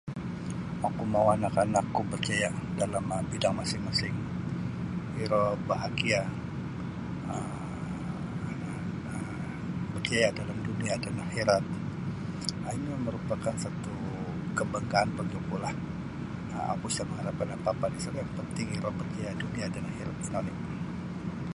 Oku mau' anak-anakku barjaya' dalam bidang masing-masing iro bahagia um bahagia dalam dunia dan akhirat um ino marupakan satu kabanggaan bagi okulah. Oku isa' mangharapkan apa'-apa' disiro yang penting iro bahagia dunia' dan akhirat ino oni'.